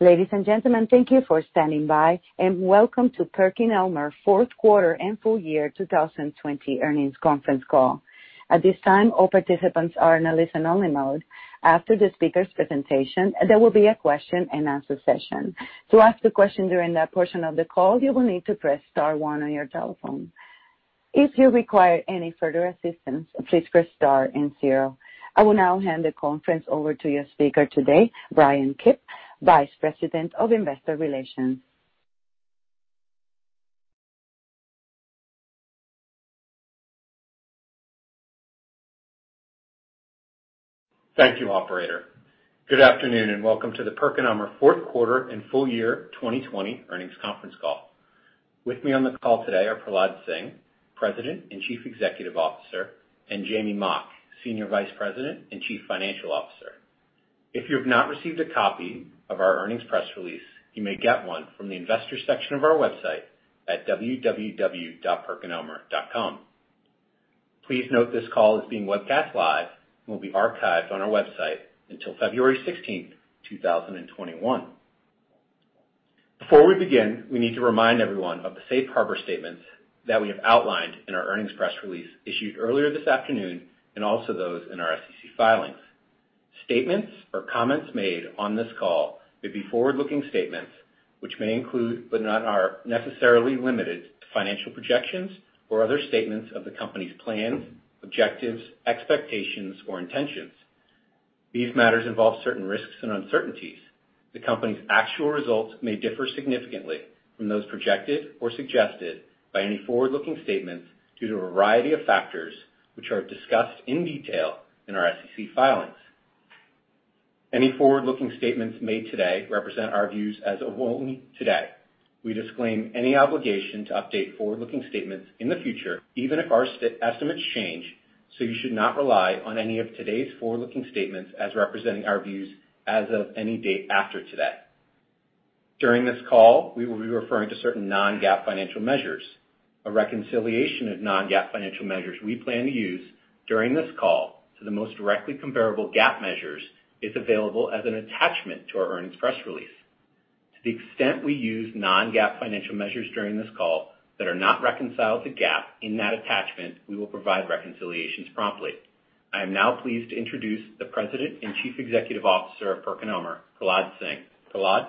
Ladies and gentlemen, thank you for standing by, and welcome to PerkinElmer fourth quarter and full year 2020 earnings conference call. At this time, all participants are in a listen-only mode. After the speakers' presentation, there will be a question-and-answer session. To ask a question during that portion of the call, you will need to press star one on your telephone. If you require any further assistance, please press star and zero. I will now hand the conference over to your speaker today, Bryan Kipp, Vice President of Investor Relations. Thank you, operator. Good afternoon, and welcome to the PerkinElmer fourth quarter and full year 2020 earnings conference call. With me on the call today are Prahlad Singh, President and Chief Executive Officer, and Jamey Mock, Senior Vice President and Chief Financial Officer. If you have not received a copy of our earnings press release, you may get one from the investors section of our website at www.perkinelmer.com. Please note this call is being webcast live and will be archived on our website until February 16th, 2021. Before we begin, we need to remind everyone of the safe harbor statements that we have outlined in our earnings press release issued earlier this afternoon, and also those in our SEC filings. Statements or comments made on this call may be forward-looking statements, which may include, but are not necessarily limited to, financial projections or other statements of the company's plans, objectives, expectations, or intentions. These matters involve certain risks and uncertainties. The company's actual results may differ significantly from those projected or suggested by any forward-looking statements due to a variety of factors, which are discussed in detail in our SEC filings. Any forward-looking statements made today represent our views as of only today. We disclaim any obligation to update forward-looking statements in the future, even if our estimates change, so you should not rely on any of today's forward-looking statements as representing our views as of any date after today. During this call, we will be referring to certain non-GAAP financial measures. A reconciliation of non-GAAP financial measures we plan to use during this call to the most directly comparable GAAP measures is available as an attachment to our earnings press release. To the extent we use non-GAAP financial measures during this call that are not reconciled to GAAP in that attachment, we will provide reconciliations promptly. I am now pleased to introduce the President and Chief Executive Officer of PerkinElmer, Prahlad Singh. Prahlad?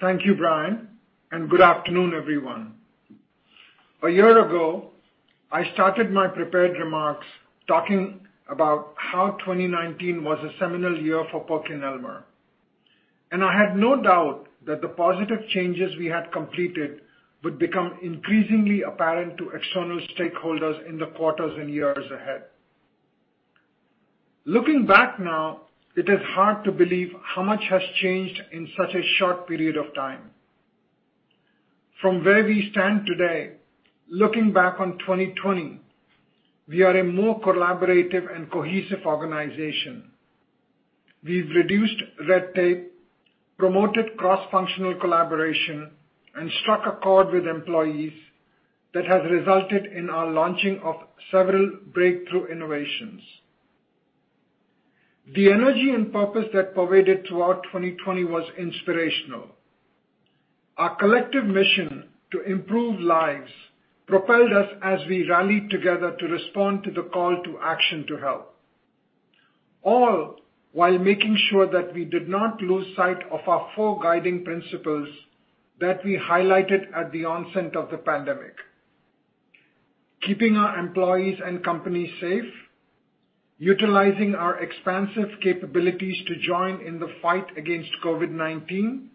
Thank you, Bryan. Good afternoon, everyone. A year ago, I started my prepared remarks talking about how 2019 was a seminal year for PerkinElmer. I had no doubt that the positive changes we had completed would become increasingly apparent to external stakeholders in the quarters and years ahead. Looking back now, it is hard to believe how much has changed in such a short period of time. From where we stand today, looking back on 2020, we are a more collaborative and cohesive organization. We've reduced red tape, promoted cross-functional collaboration, and struck a chord with employees that has resulted in our launching of several breakthrough innovations. The energy and purpose that pervaded throughout 2020 was inspirational. Our collective mission to improve lives propelled us as we rallied together to respond to the call to action to help. All while making sure that we did not lose sight of our four guiding principles that we highlighted at the onset of the pandemic. Keeping our employees and company safe. Utilizing our expansive capabilities to join in the fight against COVID-19.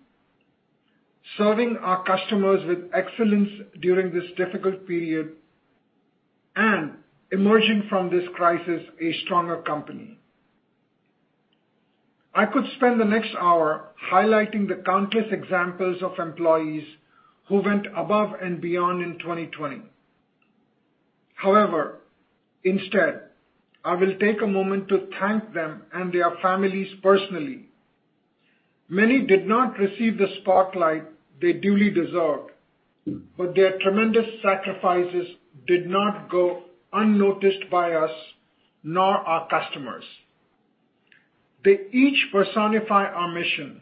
Serving our customers with excellence during this difficult period, and emerging from this crisis a stronger company. I could spend the next hour highlighting the countless examples of employees who went above and beyond in 2020. However, instead, I will take a moment to thank them and their families personally. Many did not receive the spotlight they duly deserved, but their tremendous sacrifices did not go unnoticed by us, nor our customers. They each personify our mission,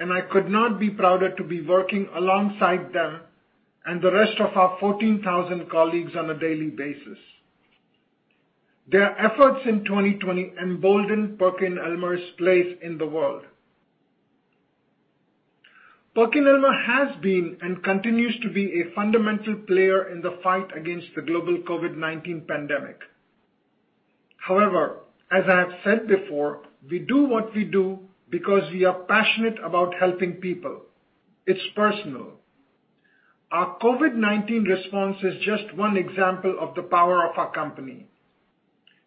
and I could not be prouder to be working alongside them and the rest of our 14,000 colleagues on a daily basis. Their efforts in 2020 emboldened PerkinElmer's place in the world. PerkinElmer has been, and continues to be, a fundamental player in the fight against the global COVID-19 pandemic. However, as I have said before, we do what we do because we are passionate about helping people. It's personal. Our COVID-19 response is just one example of the power of our company.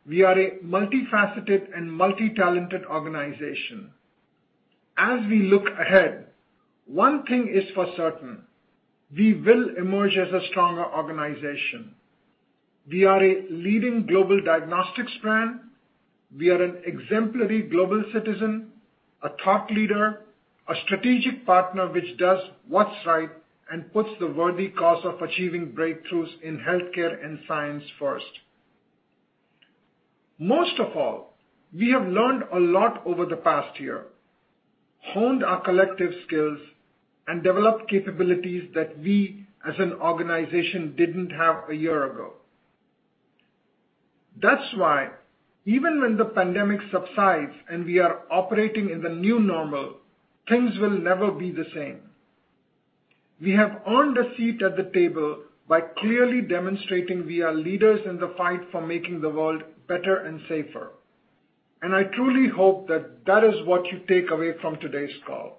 We are a multifaceted and multi-talented organization. As we look ahead, one thing is for certain, we will emerge as a stronger organization. We are a leading global diagnostics brand. We are an exemplary global citizen, a thought leader, a strategic partner which does what's right and puts the worthy cause of achieving breakthroughs in healthcare and science first. Most of all, we have learned a lot over the past year, honed our collective skills, and developed capabilities that we as an organization didn't have a year ago. That's why even when the pandemic subsides and we are operating in the new normal, things will never be the same. We have earned a seat at the table by clearly demonstrating we are leaders in the fight for making the world better and safer. I truly hope that that is what you take away from today's call.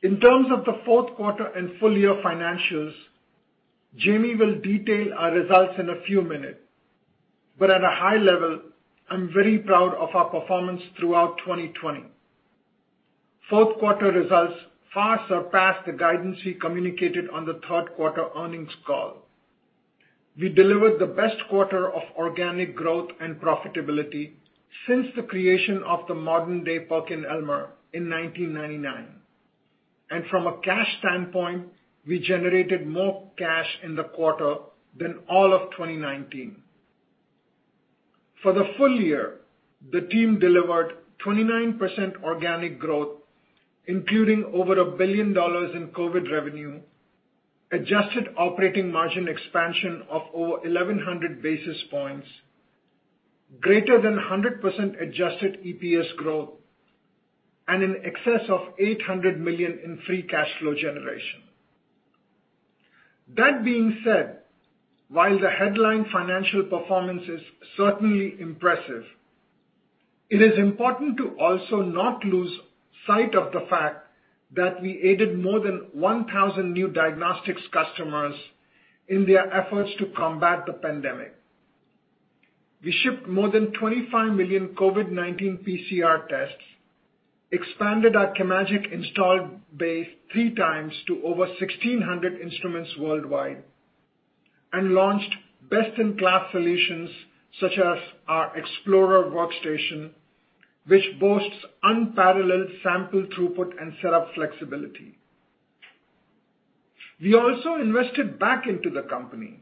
In terms of the fourth quarter and full-year financials, Jamey will detail our results in a few minutes. At a high level, I'm very proud of our performance throughout 2020. Fourth quarter results far surpassed the guidance we communicated on the third quarter earnings call. We delivered the best quarter of organic growth and profitability since the creation of the modern-day PerkinElmer in 1999. From a cash standpoint, we generated more cash in the quarter than all of 2019. For the full year, the team delivered 29% organic growth, including over $1 billion in COVID-19 revenue, adjusted operating margin expansion of over 1,100 basis points, greater than 100% adjusted EPS growth, and in excess of $800 million in free cash flow generation. That being said, while the headline financial performance is certainly impressive, it is important to also not lose sight of the fact that we aided more than 1,000 new diagnostics customers in their efforts to combat the pandemic. We shipped more than 25 million COVID-19 PCR tests, expanded our chemagic installed base three times to over 1,600 instruments worldwide, and launched best-in-class solutions such as our explorer workstation, which boasts unparalleled sample throughput and setup flexibility. We also invested back into the company.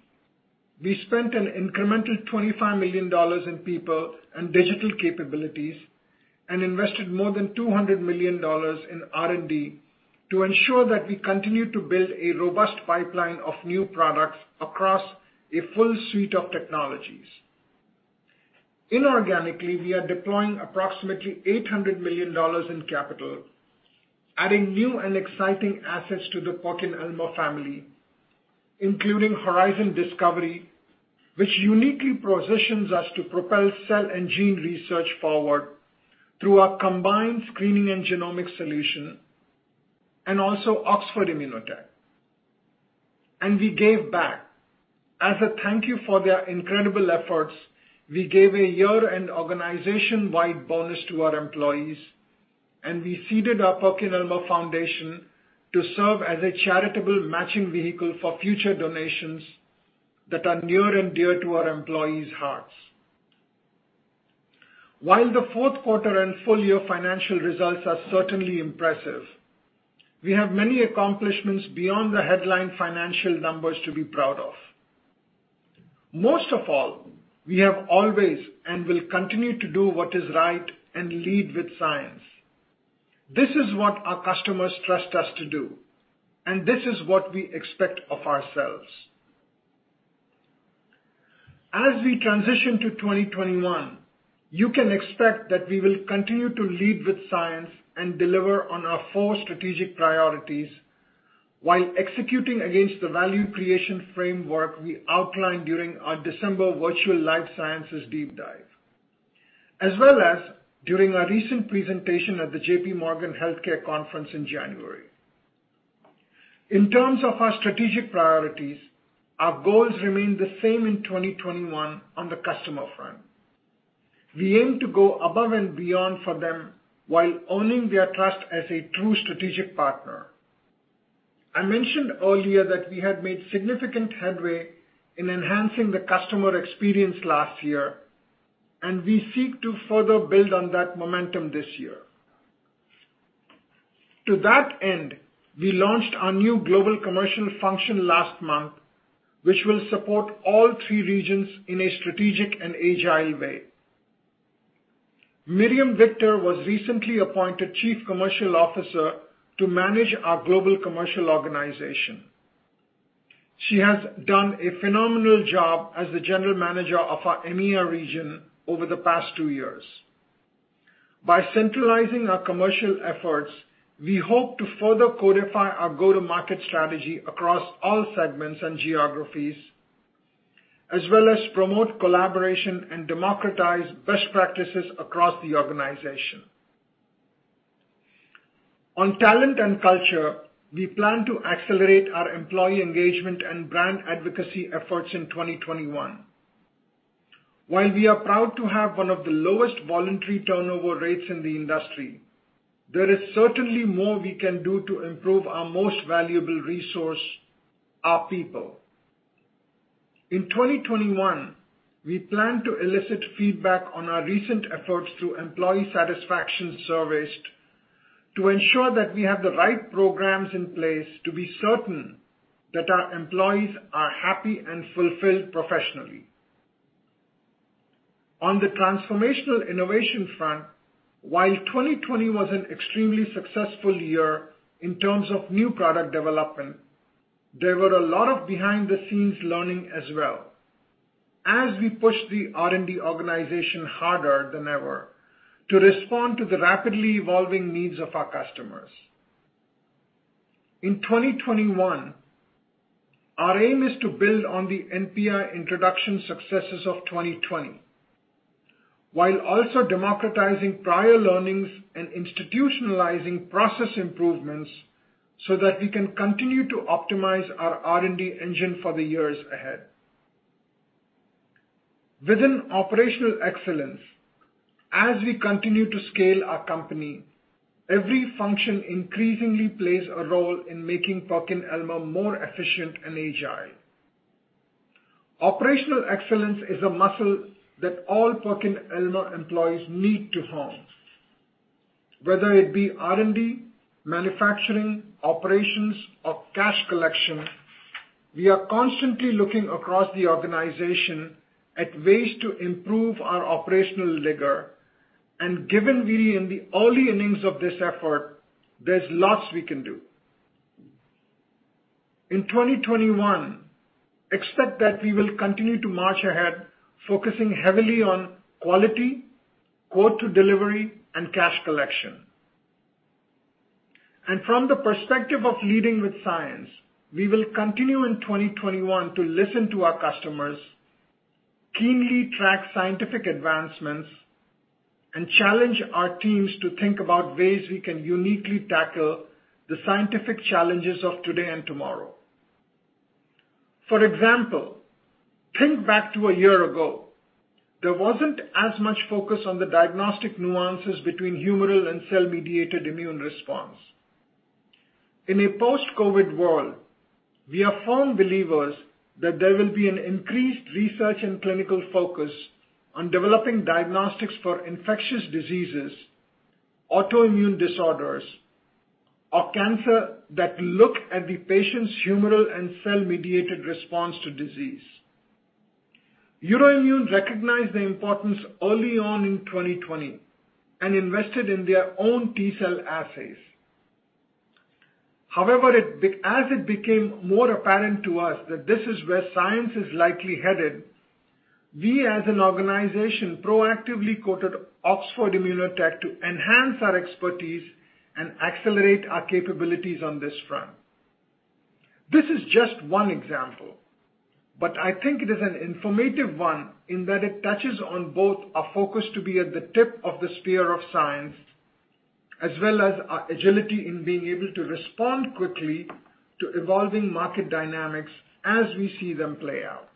We spent an incremental $25 million in people and digital capabilities and invested more than $200 million in R&D to ensure that we continue to build a robust pipeline of new products across a full suite of technologies. Inorganically, we are deploying approximately $800 million in capital, adding new and exciting assets to the PerkinElmer family, including Horizon Discovery, which uniquely positions us to propel cell and gene research forward through our combined screening and genomic solution, and also Oxford Immunotec. We gave back. As a thank you for their incredible efforts, we gave a year-end organization-wide bonus to our employees, and we seeded our PerkinElmer Foundation to serve as a charitable matching vehicle for future donations that are near and dear to our employees' hearts. While the fourth quarter and full-year financial results are certainly impressive, we have many accomplishments beyond the headline financial numbers to be proud of. Most of all, we have always and will continue to do what is right and lead with science. This is what our customers trust us to do, and this is what we expect of ourselves. As we transition to 2021, you can expect that we will continue to lead with science and deliver on our four strategic priorities while executing against the value creation framework we outlined during our December virtual life sciences deep dive, as well as during our recent presentation at the JPMorgan Healthcare Conference in January. In terms of our strategic priorities, our goals remain the same in 2021 on the customer front. We aim to go above and beyond for them while owning their trust as a true strategic partner. I mentioned earlier that we had made significant headway in enhancing the customer experience last year, and we seek to further build on that momentum this year. To that end, we launched our new global commercial function last month, which will support all three regions in a strategic and agile way. Miriame Victor was recently appointed Chief Commercial Officer to manage our global commercial organization. She has done a phenomenal job as the general manager of our EMEA region over the past two years. By centralizing our commercial efforts, we hope to further codify our go-to-market strategy across all segments and geographies, as well as promote collaboration and democratize best practices across the organization. On talent and culture, we plan to accelerate our employee engagement and brand advocacy efforts in 2021. While we are proud to have one of the lowest voluntary turnover rates in the industry, there is certainly more we can do to improve our most valuable resource, our people. In 2021, we plan to elicit feedback on our recent efforts through employee satisfaction surveys to ensure that we have the right programs in place to be certain that our employees are happy and fulfilled professionally. On the transformational innovation front, while 2020 was an extremely successful year in terms of new product development, there were a lot of behind-the-scenes learning as well, as we pushed the R&D organization harder than ever to respond to the rapidly evolving needs of our customers. In 2021, our aim is to build on the NPI introduction successes of 2020, while also democratizing prior learnings and institutionalizing process improvements so that we can continue to optimize our R&D engine for the years ahead. Within operational excellence, as we continue to scale our company, every function increasingly plays a role in making PerkinElmer more efficient and agile. Operational excellence is a muscle that all PerkinElmer employees need to hone. Whether it be R&D, manufacturing, operations, or cash collection, we are constantly looking across the organization at ways to improve our operational rigor, given we are in the early innings of this effort, there's lots we can do. In 2021, expect that we will continue to march ahead, focusing heavily on quality, quote to delivery, and cash collection. From the perspective of leading with science, we will continue in 2021 to listen to our customers, keenly track scientific advancements, and challenge our teams to think about ways we can uniquely tackle the scientific challenges of today and tomorrow. For example, think back to a year ago. There wasn't as much focus on the diagnostic nuances between humoral and cell-mediated immune response. In a post-COVID world, we are firm believers that there will be an increased research and clinical focus on developing diagnostics for infectious diseases, autoimmune disorders, or cancer that look at the patient's humoral and cell-mediated response to disease. EUROIMMUN recognized the importance early on in 2020 and invested in their own T-cell assays. As it became more apparent to us that this is where science is likely headed, we as an organization proactively courted Oxford Immunotec to enhance our expertise and accelerate our capabilities on this front. This is just one example, but I think it is an informative one in that it touches on both our focus to be at the tip of the spear of science, as well as our agility in being able to respond quickly to evolving market dynamics as we see them play out.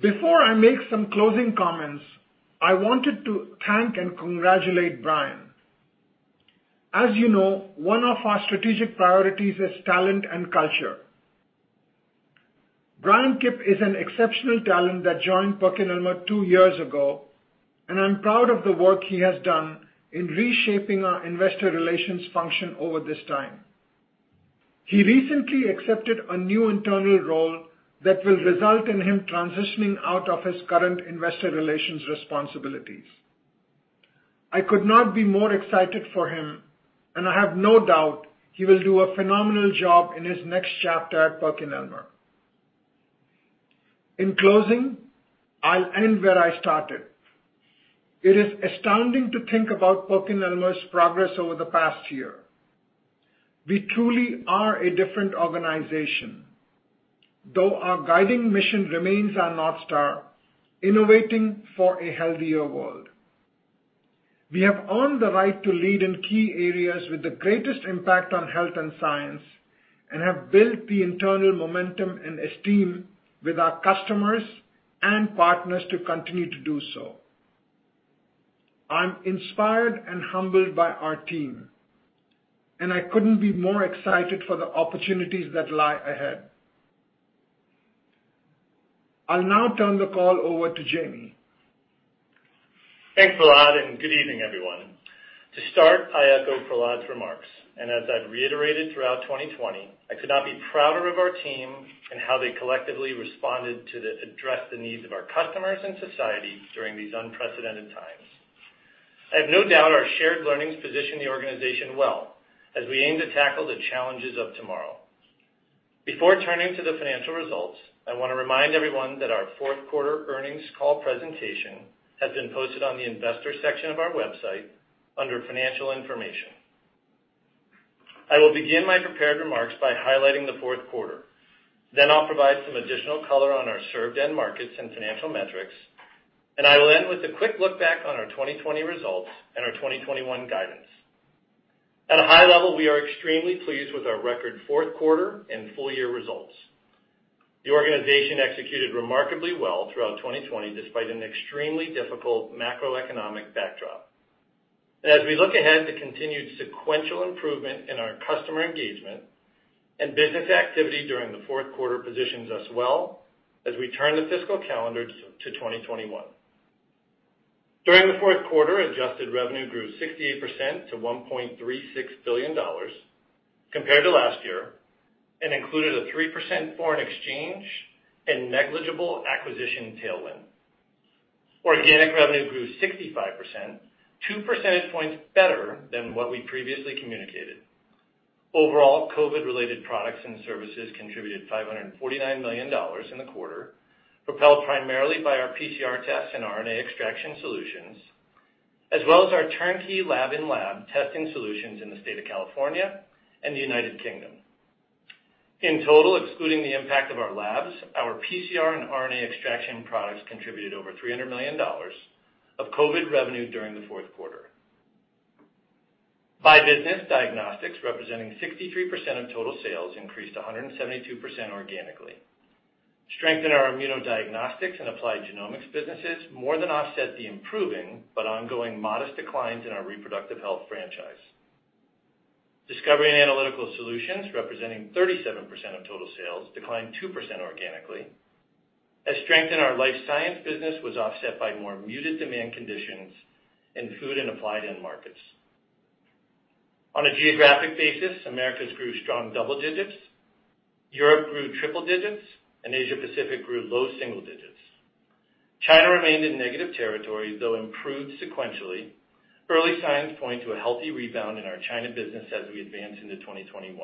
Before I make some closing comments, I wanted to thank and congratulate Bryan. As you know, one of our strategic priorities is talent and culture. Bryan Kipp is an exceptional talent that joined PerkinElmer two years ago, and I'm proud of the work he has done in reshaping our investor relations function over this time. He recently accepted a new internal role that will result in him transitioning out of his current investor relations responsibilities. I could not be more excited for him, and I have no doubt he will do a phenomenal job in his next chapter at PerkinElmer. In closing, I'll end where I started. It is astounding to think about PerkinElmer's progress over the past year. We truly are a different organization. Though our guiding mission remains our North Star, innovating for a healthier world. We have earned the right to lead in key areas with the greatest impact on health and science, and have built the internal momentum and esteem with our customers and partners to continue to do so. I'm inspired and humbled by our team, and I couldn't be more excited for the opportunities that lie ahead. I'll now turn the call over to Jamey. Thanks, Prahlad. Good evening, everyone. To start, I echo Prahlad's remarks. As I've reiterated throughout 2020, I could not be prouder of our team and how they collectively responded to address the needs of our customers and society during these unprecedented times. I have no doubt our shared learnings position the organization well as we aim to tackle the challenges of tomorrow. Before turning to the financial results, I want to remind everyone that our fourth quarter earnings call presentation has been posted on the investors section of our website, under financial information. I will begin my prepared remarks by highlighting the fourth quarter. I'll provide some additional color on our served end markets and financial metrics, and I will end with a quick look back on our 2020 results and our 2021 guidance. At a high level, we are extremely pleased with our record fourth quarter and full-year results. The organization executed remarkably well throughout 2020, despite an extremely difficult macroeconomic backdrop. As we look ahead to continued sequential improvement in our customer engagement and business activity during the fourth quarter positions us well as we turn the fiscal calendar to 2021. During the fourth quarter, adjusted revenue grew 68% to $1.36 billion compared to last year, and included a 3% foreign exchange and negligible acquisition tailwind. Organic revenue grew 65%, 2 percentage points better than what we previously communicated. Overall, COVID-19 related products and services contributed $549 million in the quarter, propelled primarily by our PCR tests and RNA extraction solutions, as well as our turnkey lab and lab testing solutions in the state of California and the U.K. In total, excluding the impact of our labs, our PCR and RNA extraction products contributed over $300 million of COVID-19 revenue during the fourth quarter. By business, diagnostics, representing 63% of total sales, increased 172% organically. Strength in our immunodiagnostics and applied genomics businesses more than offset the improving, but ongoing modest declines in our reproductive health franchise. Discovery and Analytical Solutions, representing 37% of total sales, declined 2% organically, as strength in our life science business was offset by more muted demand conditions in food and applied end markets. On a geographic basis, Americas grew strong double digits, Europe grew triple digits, and Asia Pacific grew low single digits. China remained in negative territory, though improved sequentially. Early signs point to a healthy rebound in our China business as we advance into 2021.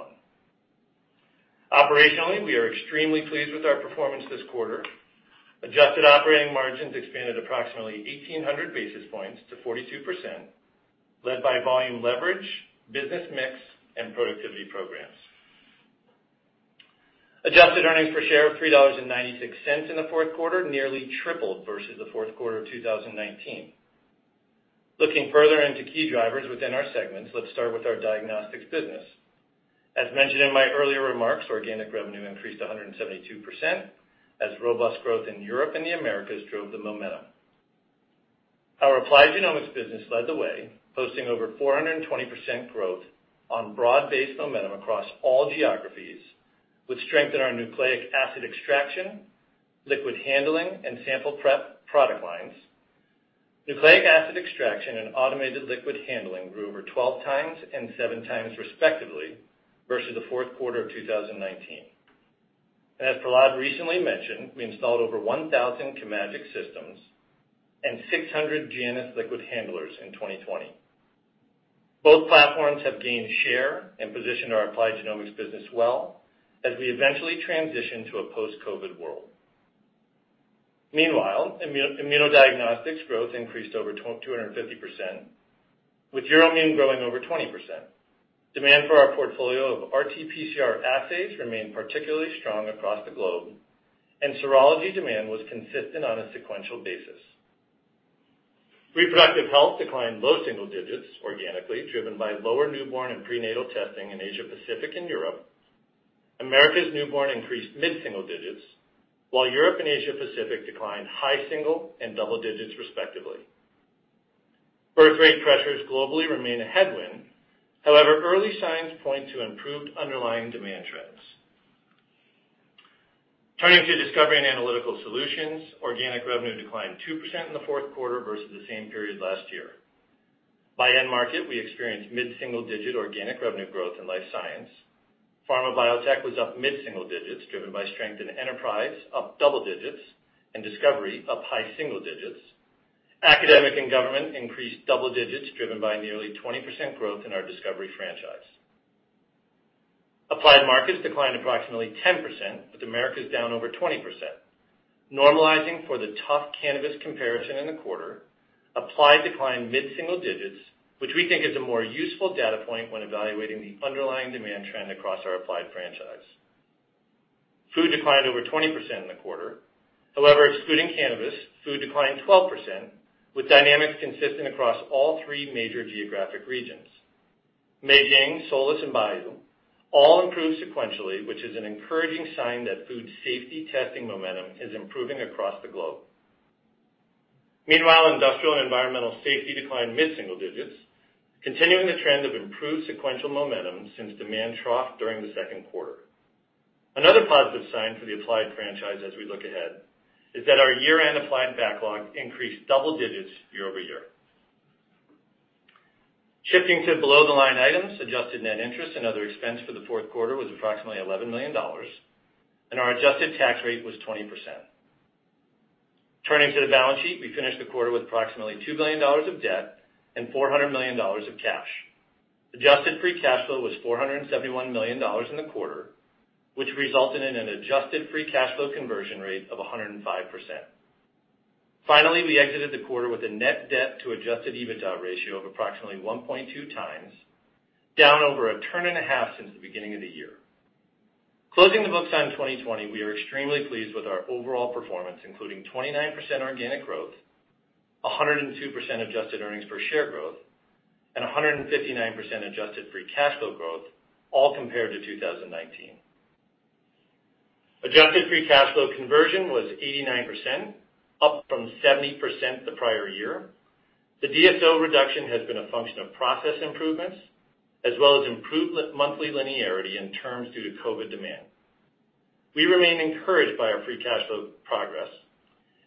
Operationally, we are extremely pleased with our performance this quarter. Adjusted operating margins expanded approximately 1,800 basis points to 42%, led by volume leverage, business mix, and productivity programs. Adjusted earnings per share of $3.96 in the fourth quarter nearly tripled versus the fourth quarter of 2019. Looking further into key drivers within our segments, let's start with our diagnostics business. As mentioned in my earlier remarks, organic revenue increased 172% as robust growth in Europe and the Americas drove the momentum. Our applied genomics business led the way, posting over 420% growth on broad-based momentum across all geographies, with strength in our nucleic acid extraction, liquid handling, and sample prep product lines. Nucleic acid extraction and automated liquid handling grew over 12 times and seven times respectively versus the fourth quarter of 2019. As Prahlad recently mentioned, we installed over 1,000 chemagic systems and 600 JANUS liquid handlers in 2020. Both platforms have gained share and positioned our applied genomics business well as we eventually transition to a post-COVID world. Meanwhile, immunodiagnostics growth increased over 250%, with EUROIMMUN growing over 20%. Demand for our portfolio of RT-PCR assays remained particularly strong across the globe, and serology demand was consistent on a sequential basis. Reproductive health declined low single digits organically, driven by lower newborn and prenatal testing in Asia Pacific and Europe. Americas newborn increased mid-single digits, while Europe and Asia Pacific declined high single and double digits respectively. Birth rate pressures globally remain a headwind. However, early signs point to improved underlying demand trends. Turning to discovery and analytical solutions, organic revenue declined 2% in the fourth quarter versus the same period last year. By end market, we experienced mid-single digit organic revenue growth in life science. Pharma biotech was up mid-single digits, driven by strength in enterprise, up double digits, and discovery, up high single digits. Academic and government increased double digits, driven by nearly 20% growth in our discovery franchise. Applied markets declined approximately 10%, with Americas down over 20%. Normalizing for the tough cannabis comparison in the quarter, Applied declined mid-single digits, which we think is a more useful data point when evaluating the underlying demand trend across our Applied franchise. Food declined over 20% in the quarter. Excluding cannabis, food declined 12%, with dynamics consistent across all three major geographic regions. Meizheng, Solus, and Bioo all improved sequentially, which is an encouraging sign that food safety testing momentum is improving across the globe. Industrial and environmental safety declined mid-single digits, continuing the trend of improved sequential momentum since demand troughed during the second quarter. Another positive sign for the Applied franchise as we look ahead is that our year-end Applied backlog increased double digits year-over-year. Shifting to below the line items, adjusted net interest and other expense for the fourth quarter was approximately $11 million, and our adjusted tax rate was 20%. Turning to the balance sheet, we finished the quarter with approximately $2 billion of debt and $400 million of cash. Adjusted free cash flow was $471 million in the quarter, which resulted in an adjusted free cash flow conversion rate of 105%. Finally, we exited the quarter with a net debt to adjusted EBITDA ratio of approximately 1.2 times, down over a turn and a half since the beginning of the year. Closing the books on 2020, we are extremely pleased with our overall performance, including 29% organic growth, 102% adjusted earnings per share growth, and 159% adjusted free cash flow growth, all compared to 2019. Adjusted free cash flow conversion was 89%, up from 70% the prior year. The DSO reduction has been a function of process improvements, as well as improved monthly linearity in terms due to COVID demand. We remain encouraged by our free cash flow progress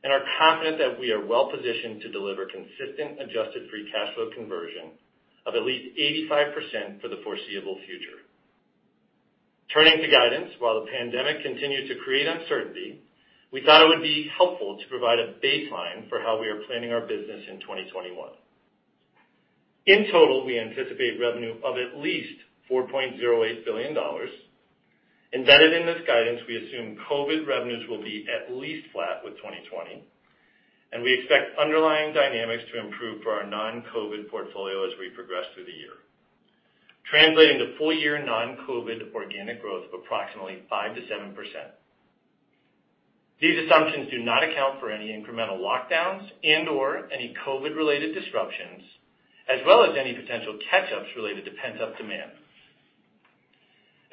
and are confident that we are well-positioned to deliver consistent adjusted free cash flow conversion of at least 85% for the foreseeable future. Turning to guidance, while the pandemic continued to create uncertainty, we thought it would be helpful to provide a baseline for how we are planning our business in 2021. In total, we anticipate revenue of at least $4.08 billion. Embedded in this guidance, we assume COVID revenues will be at least flat with 2020, and we expect underlying dynamics to improve for our non-COVID portfolio as we progress through the year, translating to full-year non-COVID organic growth of approximately 5%-7%. These assumptions do not account for any incremental lockdowns and/or any COVID-related disruptions, as well as any potential catch-ups related to pent-up demand.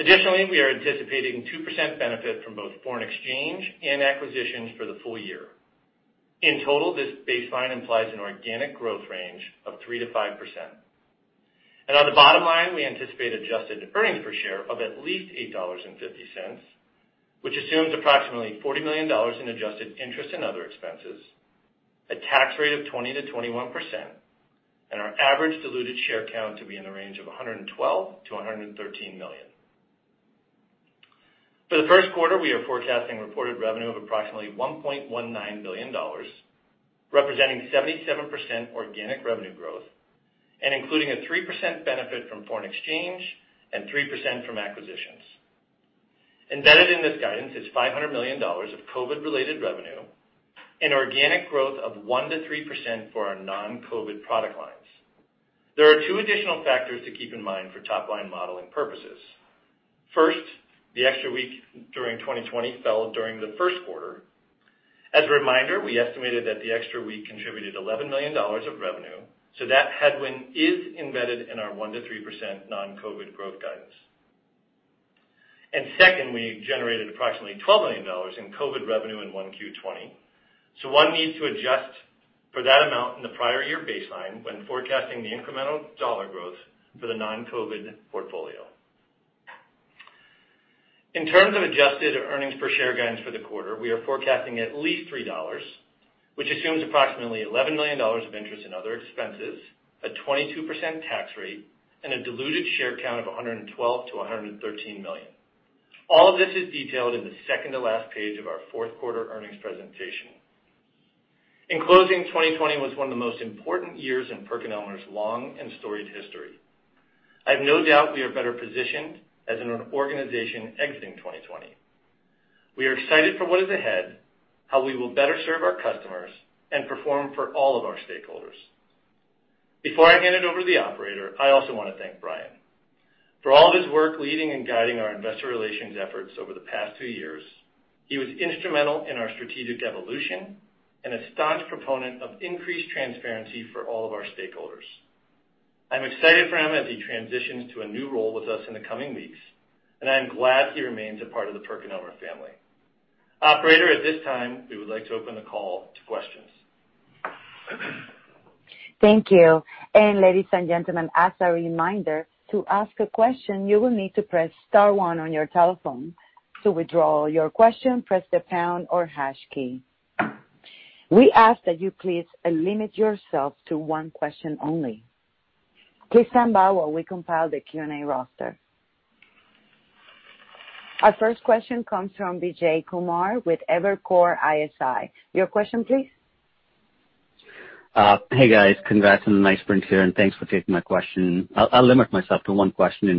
Additionally, we are anticipating 2% benefit from both foreign exchange and acquisitions for the full year. In total, this baseline implies an organic growth range of 3%-5%. On the bottom line, we anticipate adjusted earnings per share of at least $8.50, which assumes approximately $40 million in adjusted interest and other expenses, a tax rate of 20%-21%, and our average diluted share count to be in the range of 112 million-113 million. For the first quarter, we are forecasting reported revenue of approximately $1.19 billion, representing 77% organic revenue growth and including a 3% benefit from foreign exchange and 3% from acquisitions. Embedded in this guidance is $500 million of COVID-19-related revenue and organic growth of 1%-3% for our non-COVID-19 product lines. There are two additional factors to keep in mind for top-line modeling purposes. First, the extra week during 2020 fell during the first quarter. As a reminder, we estimated that the extra week contributed $11 million of revenue. That headwind is embedded in our 1%-3% non-COVID-19 growth guidance. Second, we generated approximately $12 million in COVID-19 revenue in 1Q 2020. One needs to adjust for that amount in the prior year baseline when forecasting the incremental dollar growth for the non-COVID-19 portfolio. In terms of adjusted earnings per share guidance for the quarter, we are forecasting at least $3, which assumes approximately $11 million of interest and other expenses, a 22% tax rate, and a diluted share count of 112 million-113 million. All this is detailed in the second-to-last page of our fourth quarter earnings presentation. In closing, 2020 was one of the most important years in PerkinElmer's long and storied history. I have no doubt we are better positioned as an organization exiting 2020. We are excited for what is ahead, how we will better serve our customers, and perform for all of our stakeholders. Before I hand it over to the operator, I also want to thank Bryan for all of his work leading and guiding our investor relations efforts over the past two years. He was instrumental in our strategic evolution and a staunch proponent of increased transparency for all of our stakeholders. I'm excited for him as he transitions to a new role with us in the coming weeks, and I'm glad he remains a part of the PerkinElmer family. Operator, at this time, we would like to open the call to questions. Thank you. Ladies and gentlemen, as a reminder, to ask a question, you will need to press star one on your telephone. To withdraw your question, press the pound or hash key. We ask that you please limit yourself to one question only. Please stand by while we compile the Q&A roster. Our first question comes from Vijay Kumar with Evercore ISI. Your question please. Hey, guys. Congrats on a nice print here, and thanks for taking my question. I'll limit myself to one question.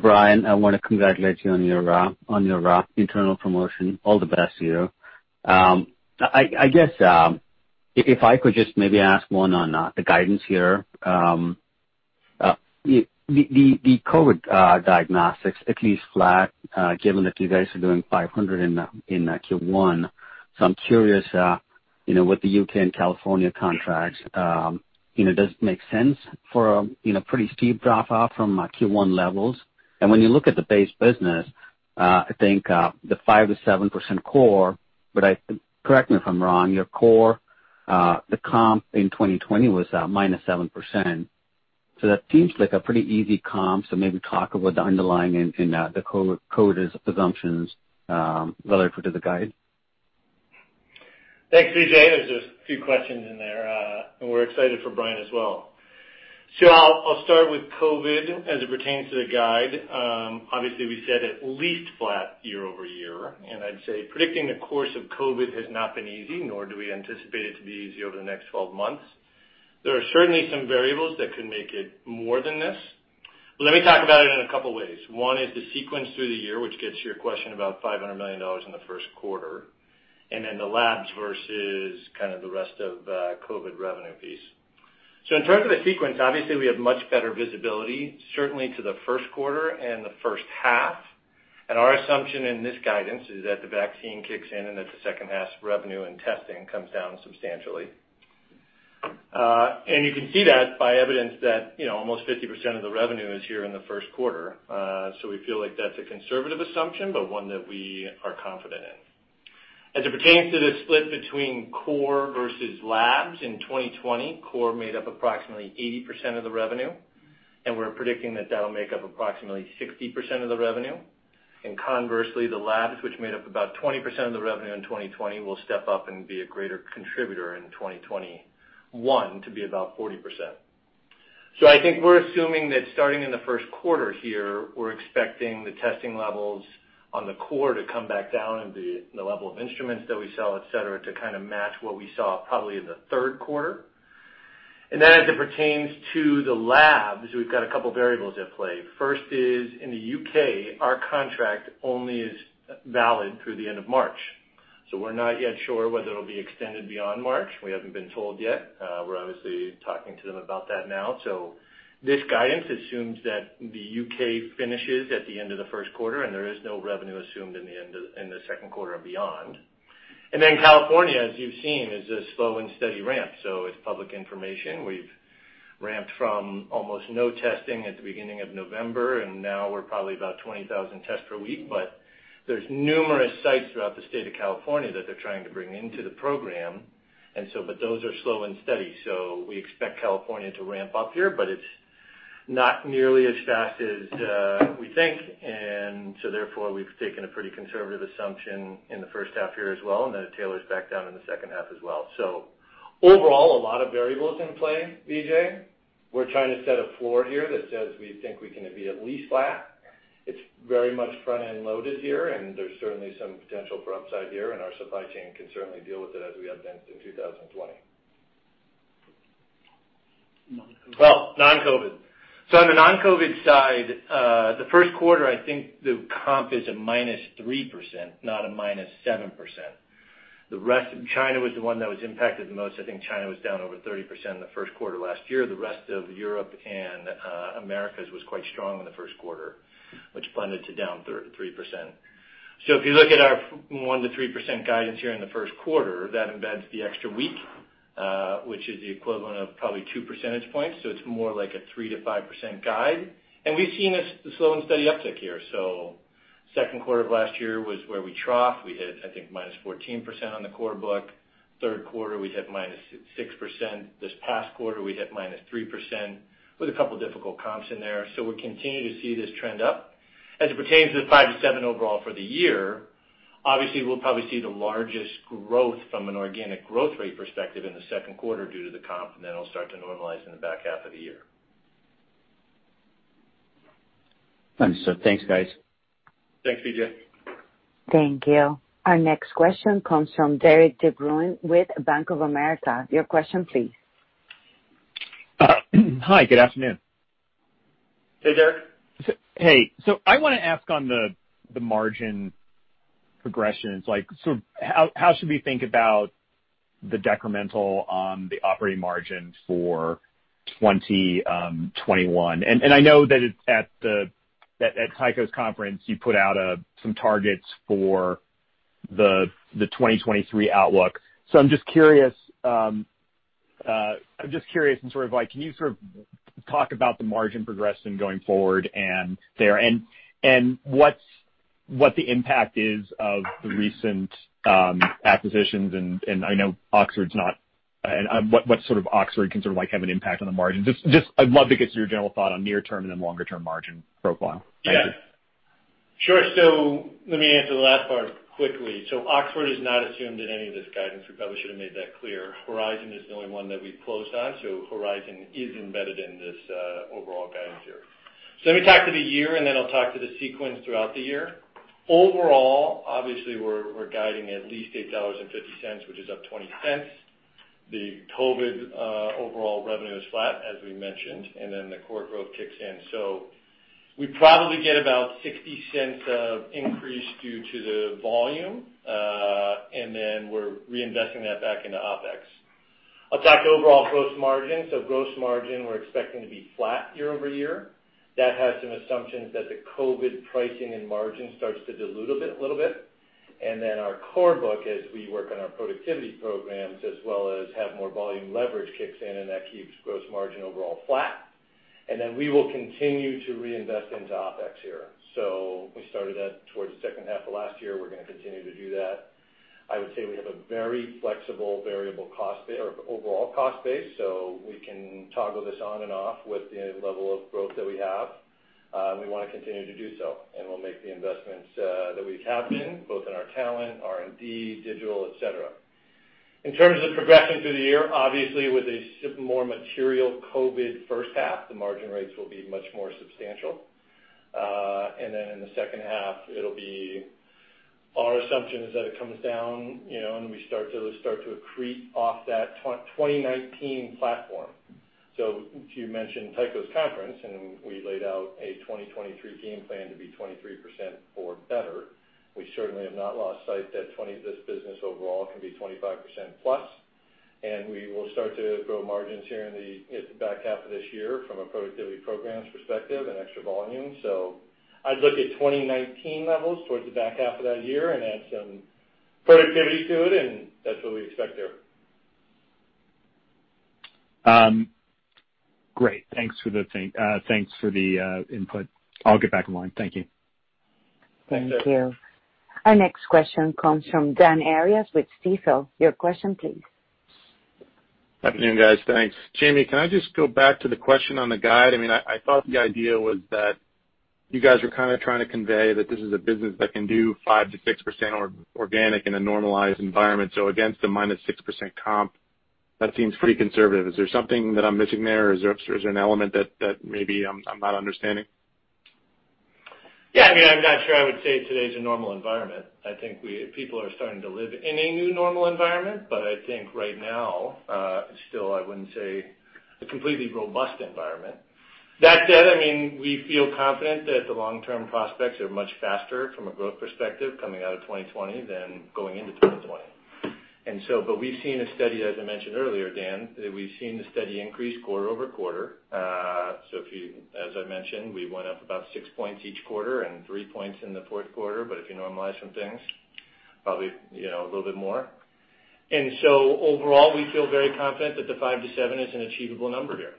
Bryan, I want to congratulate you on your internal promotion. All the best to you. I guess, if I could just maybe ask one on the guidance here. The COVID diagnostics, at least flat, given that you guys are doing $500 in Q1. I'm curious, with the U.K. and California contracts, does it make sense for a pretty steep drop-off from Q1 levels? When you look at the base business, I think the 5%-7% core, but correct me if I'm wrong, your core, the comp in 2020 was -7%. That seems like a pretty easy comp. Maybe talk about the underlying and the COVID assumptions related to the guide. Thanks, Vijay. There's just a few questions in there. We're excited for Bryan as well. I'll start with COVID as it pertains to the guide. Obviously, we said at least flat year-over-year, and I'd say predicting the course of COVID has not been easy, nor do we anticipate it to be easy over the next 12 months. There are certainly some variables that could make it more than this. Let me talk about it in a couple ways. One is the sequence through the year, which gets your question about $500 million in the first quarter, and then the labs versus the rest of COVID revenue piece. In terms of the sequence, obviously, we have much better visibility, certainly to the first quarter and the first half. Our assumption in this guidance is that the vaccine kicks in and that the second half revenue and testing comes down substantially. You can see that by evidence that almost 50% of the revenue is here in the first quarter. We feel like that's a conservative assumption, but one that we are confident in. As it pertains to the split between core versus labs in 2020, core made up approximately 80% of the revenue, and we're predicting that that'll make up approximately 60% of the revenue. Conversely, the labs, which made up about 20% of the revenue in 2020, will step up and be a greater contributor in 2021 to be about 40%. I think we're assuming that starting in the first quarter here, we're expecting the testing levels on the core to come back down and the level of instruments that we sell, et cetera, to kind of match what we saw probably in the third quarter. As it pertains to the labs, we've got a couple of variables at play. First is in the U.K., our contract only is valid through the end of March. We're not yet sure whether it'll be extended beyond March. We haven't been told yet. We're obviously talking to them about that now. This guidance assumes that the U.K. finishes at the end of the first quarter, and there is no revenue assumed in the second quarter and beyond. California, as you've seen, is a slow and steady ramp. It's public information. We've ramped from almost no testing at the beginning of November, and now we're probably about 20,000 tests per week. There's numerous sites throughout the state of California that they're trying to bring into the program. Those are slow and steady. We expect California to ramp up here, but it's not nearly as fast as we think. Therefore, we've taken a pretty conservative assumption in the first half here as well, and then it tailors back down in the second half as well. Overall, a lot of variables in play, Vijay. We're trying to set a floor here that says we think we can be at least flat. It's very much front-end loaded here, and there's certainly some potential for upside here, and our supply chain can certainly deal with it as we have been since 2020. Non-COVID. Oh, non-COVID. On the non-COVID-19 side, the first quarter, I think the comp is a -3%, not a -7%. China was the one that was impacted the most. I think China was down over 30% in the first quarter last year. The rest of Europe and Americas was quite strong in the first quarter, which blended to down 3%. If you look at our 1%-3% guidance here in the first quarter, that embeds the extra week, which is the equivalent of probably 2 percentage points. It's more like a 3%-5% guide. We've seen a slow and steady uptick here. The second quarter of last year was where we trough. We hit, I think, -14% on the core book. Third quarter, we hit -6%. This past quarter, we hit -3% with a couple of difficult comps in there. We continue to see this trend up. As it pertains to the 5%-7% overall for the year, obviously, we'll probably see the largest growth from an organic growth rate perspective in the second quarter due to the comp, and then it'll start to normalize in the back half of the year. Understood. Thanks, guys. Thanks, Vijay. Thank you. Our next question comes from Derik De Bruin with Bank of America. Your question, please. Hi, good afternoon. Hey, Derik. Hey. I want to ask on the margin progressions, how should we think about the decremental on the operating margin for 2021? I know that at Tycho's conference, you put out some targets for the 2023 outlook. I'm just curious, can you sort of talk about the margin progression going forward there, and what the impact is of the recent acquisitions? I know Oxford's what sort of Oxford can sort of have an impact on the margins? Just I'd love to get your general thought on near term and then longer term margin profile. Thank you. Sure. Let me answer the last part quickly. Oxford is not assumed in any of this guidance. We probably should have made that clear. Horizon is the only one that we've closed on. Horizon is embedded in this overall guidance here. Let me talk to the year, and then I'll talk to the sequence throughout the year. Overall, obviously, we're guiding at least $8.50, which is up $0.20. The COVID overall revenue is flat, as we mentioned, and then the core growth kicks in. We probably get about $0.60 of increase due to the volume, and then we're reinvesting that back into OpEx. I'll talk overall gross margin. Gross margin, we're expecting to be flat year-over-year. That has some assumptions that the COVID pricing and margin starts to dilute a little bit. Then our core book, as we work on our productivity programs, as well as have more volume leverage kicks in, that keeps gross margin overall flat. Then we will continue to reinvest into OpEx here. We started that towards the second half of last year. We're going to continue to do that. I would say we have a very flexible overall cost base, so we can toggle this on and off with the level of growth that we have. We want to continue to do so, and we'll make the investments that we have been, both in our talent, R&D, digital, et cetera. In terms of progression through the year, obviously, with a more material COVID first half, the margin rates will be much more substantial. Then in the second half, our assumption is that it comes down, and we start to accrete off that 2019 platform. You mentioned Tycho's conference, and we laid out a 2023 game plan to be 23% or better. We certainly have not lost sight that this business overall can be 25%+, and we will start to grow margins here in the back half of this year from a productivity programs perspective and extra volume. I'd look at 2019 levels towards the back half of that year and add some productivity to it, and that's what we expect there. Great. Thanks for the input. I'll get back in line. Thank you. Thank you. Thank you. Our next question comes from Dan Arias with Stifel. Your question please. Good afternoon, guys. Thanks. Jamey, can I just go back to the question on the guide? I thought the idea was that you guys were trying to convey that this is a business that can do 5%-6% organic in a normalized environment. Against a -6% comp, that seems pretty conservative. Is there something that I'm missing there, or is there an element that maybe I'm not understanding? Yeah. I'm not sure I would say today's a normal environment. I think people are starting to live in a new normal environment, but I think right now, still I wouldn't say a completely robust environment. That said, we feel confident that the long-term prospects are much faster from a growth perspective coming out of 2020 than going into 2020. We've seen a steady, as I mentioned earlier, Dan, that we've seen a steady increase quarter-over-quarter. As I mentioned, we went up about six points each quarter and three points in the fourth quarter, but if you normalize some things, probably a little bit more. Overall, we feel very confident that the 5%-7% is an achievable number here.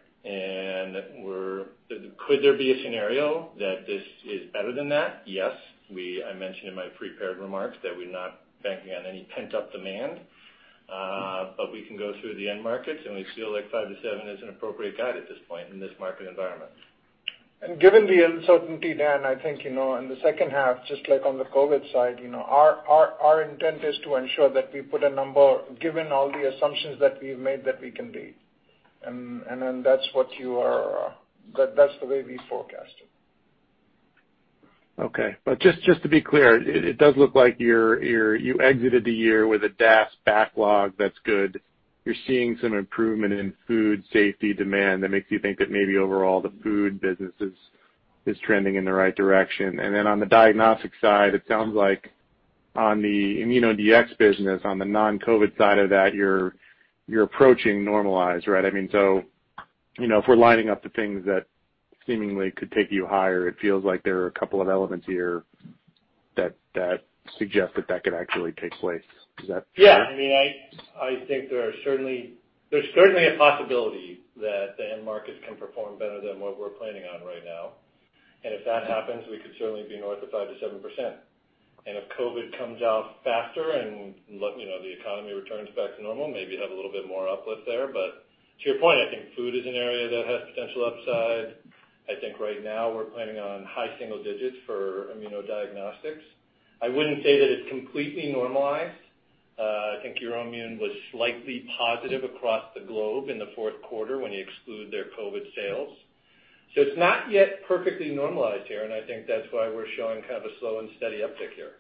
Could there be a scenario that this is better than that? Yes. I mentioned in my prepared remarks that we're not banking on any pent-up demand. We can go through the end markets, and we feel like 5%-7% is an appropriate guide at this point in this market environment. Given the uncertainty, Dan, I think, in the second half, just like on the COVID side, our intent is to ensure that we put a number, given all the assumptions that we've made, that we can beat. That's the way we forecast it. Okay. Just to be clear, it does look like you exited the year with a DAS backlog that's good. You're seeing some improvement in food safety demand that makes you think that maybe overall the food business is trending in the right direction. On the diagnostic side, it sounds like on the ImmunoDX business, on the non-COVID side of that, you're approaching normalized, right? If we're lining up the things that seemingly could take you higher, it feels like there are a couple of elements here that suggest that that could actually take place. Is that fair? I think there's certainly a possibility that the end markets can perform better than what we're planning on right now. If that happens, we could certainly be north of 5%-7%. If COVID comes out faster and the economy returns back to normal, maybe have a little bit more uplift there. To your point, I think food is an area that has potential upside. I think right now we're planning on high single digits for immunodiagnostics. I wouldn't say that it's completely normalized. I think EUROIMMUN was slightly positive across the globe in the fourth quarter when you exclude their COVID sales. It's not yet perfectly normalized here, and I think that's why we're showing kind of a slow and steady uptick here.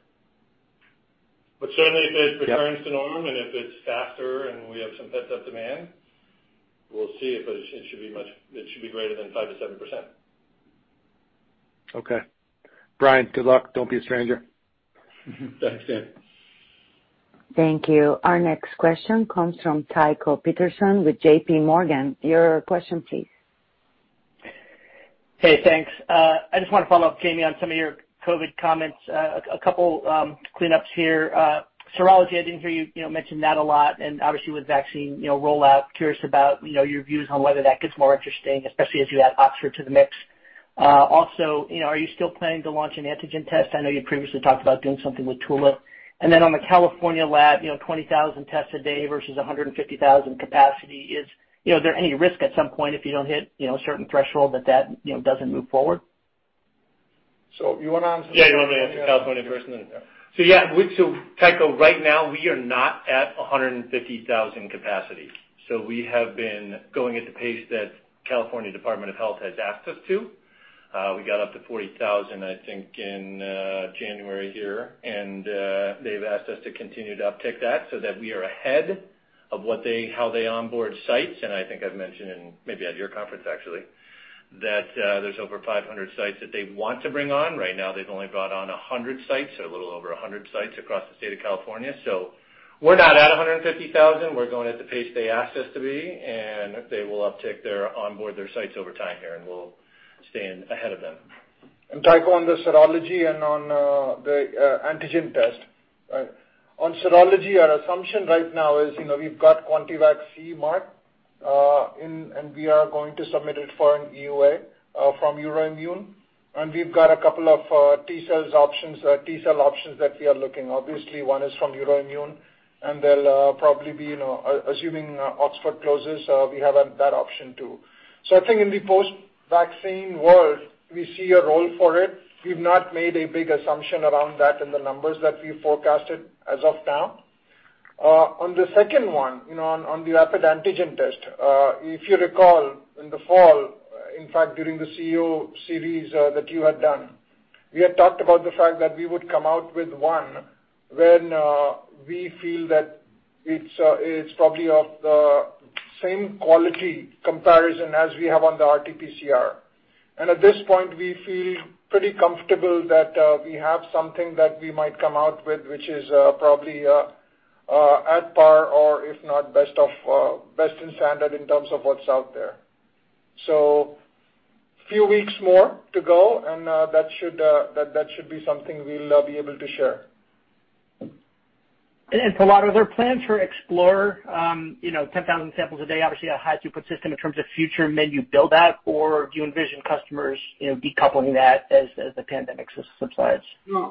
Certainly, if it returns to norm and if it's faster and we have some pent-up demand, we'll see. It should be greater than 5%-7%. Okay. Bryan, good luck. Don't be a stranger. Thanks, Dan. Thank you. Our next question comes from Tycho Peterson with JPMorgan. Your question please. Hey, thanks. I just want to follow up, Jamey, on some of your COVID-19 comments. A couple cleanups here. Serology, I didn't hear you mention that a lot, and obviously with vaccine rollout, curious about your views on whether that gets more interesting, especially as you add Oxford to the mix. Also, are you still planning to launch an antigen test? I know you previously talked about doing something with Tulip. On the California lab, 20,000 tests a day versus 150,000 capacity, is there any risk at some point if you don't hit a certain threshold that that doesn't move forward? You want to answer that? Yeah, you want me to answer the California first and then. Yeah. Yeah, Tycho, right now we are not at 150,000 capacity. We have been going at the pace that California Department of Public Health has asked us to. We got up to 40,000, I think, in January here, and they've asked us to continue to uptick that so that we are ahead of how they onboard sites. I think I've mentioned, and maybe at your conference actually, that there's over 500 sites that they want to bring on. Right now they've only brought on 100 sites or a little over 100 sites across the state of California. We're not at 150,000. We're going at the pace they asked us to be, and they will uptick their onboard their sites over time here, and we'll stay in ahead of them. Tycho, on the serology and on the antigen test. On serology, our assumption right now is we've got QuantiVac CE-marked, and we are going to submit it for an EUA from EUROIMMUN. We've got a couple of T-cell options that we are looking. Obviously, one is from EUROIMMUN, and they'll probably be, assuming Oxford closes, we have that option too. I think in the post-vaccine world, we see a role for it. We've not made a big assumption around that in the numbers that we forecasted as of now. On the second one, on the rapid antigen test. If you recall in the fall, in fact, during the CEO series that you had done, we had talked about the fact that we would come out with one when we feel that it's probably of the same quality comparison as we have on the RT-PCR. At this point, we feel pretty comfortable that we have something that we might come out with, which is probably at par or if not best in standard in terms of what's out there. Few weeks more to go, and that should be something we'll be able to share. Prahlad, are there plans for Explorer, 10,000 samples a day, obviously a high throughput system in terms of future menu build-out, or do you envision customers decoupling that as the pandemic subsides?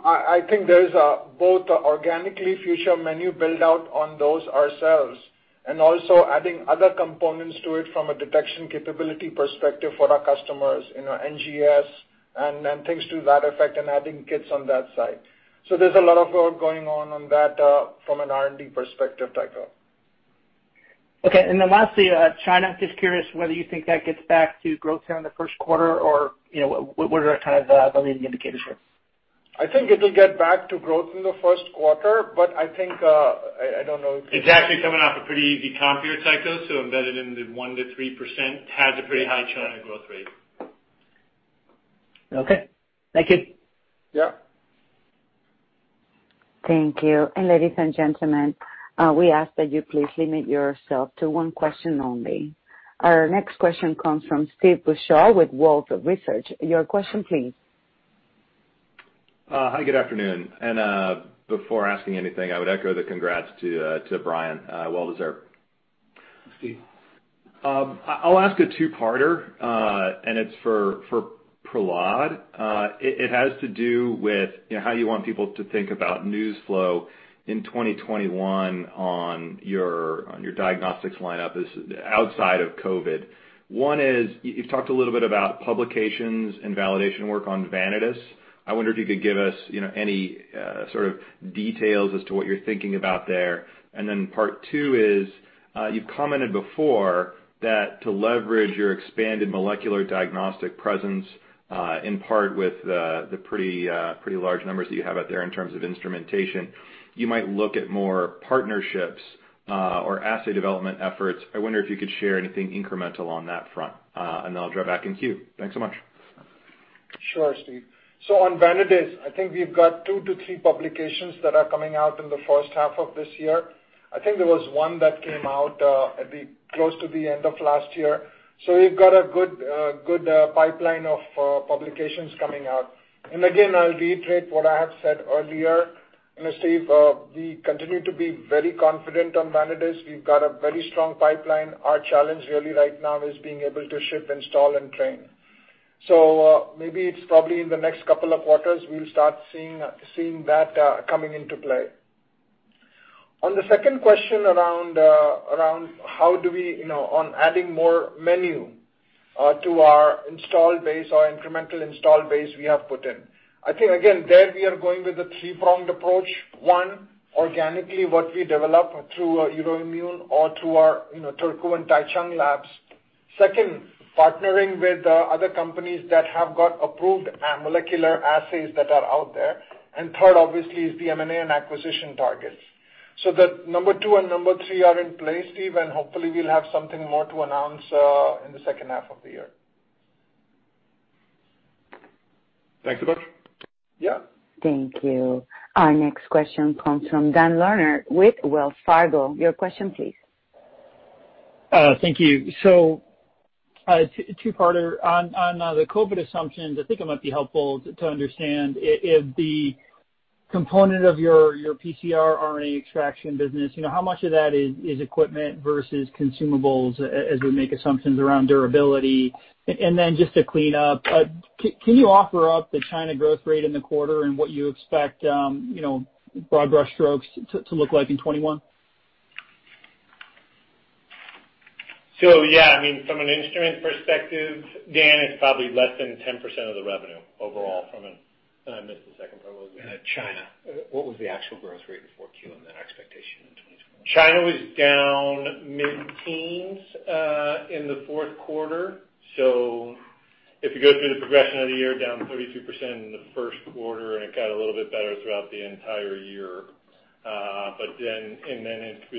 I think there's both organically future menu build-out on those ourselves, and also adding other components to it from a detection capability perspective for our customers, NGS and things to that effect, and adding kits on that side. There's a lot of work going on on that from an R&D perspective, Tycho. Okay, and then lastly, China. Just curious whether you think that gets back to growth here in the first quarter or what are the leading indicators there? I think it'll get back to growth in the first quarter, but I think, I don't know. It's actually coming off a pretty easy comp here, Tycho. Embedded in the 1%-3% has a pretty high China growth rate. Okay. Thank you. Yeah. Thank you. Ladies and gentlemen, we ask that you please limit yourself to one question only. Our next question comes from Steve Beuchaw with Wolfe Research. Your question please. Hi, good afternoon. Before asking anything, I would echo the congrats to Bryan. Well deserved. Steve. I'll ask a two-parter and it's for Prahlad. It has to do with how you want people to think about news flow in 2021 on your diagnostics lineup outside of COVID-19. One is, you've talked a little bit about publications and validation work on Vanadis. I wonder if you could give us any sort of details as to what you're thinking about there. Part 2 is, you've commented before that to leverage your expanded molecular diagnostic presence, in part with the pretty large numbers that you have out there in terms of instrumentation, you might look at more partnerships or asset development efforts. I wonder if you could share anything incremental on that front. I'll drop back in queue. Thanks so much. Sure, Steve. On Vanadis, I think we've got two to three publications that are coming out in the first half of this year. I think there was one that came out close to the end of last year. We've got a good pipeline of publications coming out. Again, I'll reiterate what I have said earlier, and Steve, we continue to be very confident on Vanadis. We've got a very strong pipeline. Our challenge really right now is being able to ship, install, and train. Maybe it's probably in the next couple of quarters, we'll start seeing that coming into play. On the second question around how do we on adding more menu to our installed base, our incremental installed base we have put in. I think again, there we are going with a three-pronged approach. One, organically what we develop through EUROIMMUN or through our Turku and Taicang labs. Second, partnering with other companies that have got approved molecular assays that are out there. Third, obviously, is the M&A and acquisition targets. The number two and number three are in place, Steve, and hopefully we'll have something more to announce in the second half of the year. Thanks a bunch. Yeah. Thank you. Our next question comes from Dan Leonard with Wells Fargo. Your question please. Thank you. A two-parter. On the COVID assumptions, I think it might be helpful to understand if the component of your PCR RNA extraction business, how much of that is equipment versus consumables as we make assumptions around durability? Just to clean up, can you offer up the China growth rate in the quarter and what you expect broad brush strokes to look like in 2021? Yeah, I mean, from an instrument perspective, Dan, it's probably less than 10% of the revenue overall. I missed the second part. What was the second? China. What was the actual growth rate in 4Q and then expectation in 2021? China was down mid-teens in the fourth quarter. If you go through the progression of the year, down 32% in the first quarter, it got a little bit better throughout the entire year. As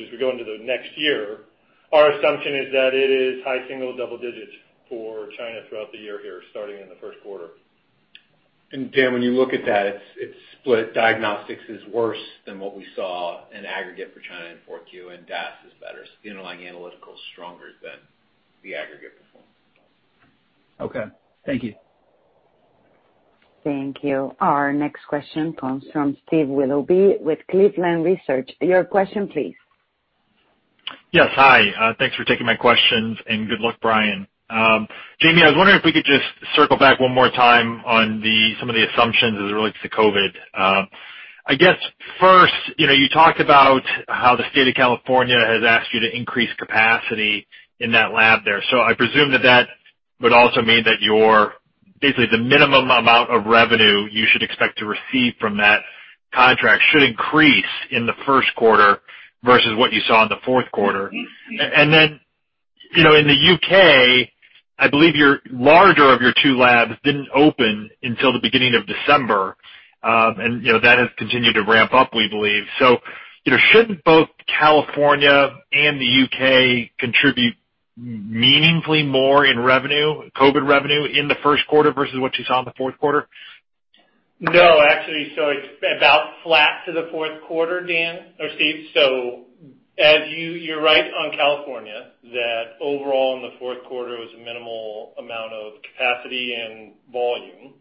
we go into the next year, our assumption is that it is high single, double digits for China throughout the year here, starting in the first quarter. Dan, when you look at that, it's split. Diagnostics is worse than what we saw in aggregate for China in 4Q, and DAS is better. The underlying analytical is stronger than the aggregate performance. Okay. Thank you. Thank you. Our next question comes from Steve Willoughby with Cleveland Research. Your question please. Yes. Hi. Thanks for taking my questions. Good luck, Bryan. Jamey, I was wondering if we could just circle back one more time on some of the assumptions as it relates to COVID. I guess first, you talked about how the state of California has asked you to increase capacity in that lab there. I presume that would also mean that your, basically the minimum amount of revenue you should expect to receive from that contract should increase in the first quarter versus what you saw in the fourth quarter. Then, in the U.K., I believe your larger of your two labs didn't open until the beginning of December. That has continued to ramp up, we believe. Shouldn't both California and the U.K. contribute meaningfully more in revenue, COVID revenue, in the first quarter versus what you saw in the fourth quarter? No, actually. It's about flat to the fourth quarter, Dan or Steve. You're right on California, that overall in the fourth quarter was a minimal amount of capacity and volume.